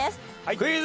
クイズ。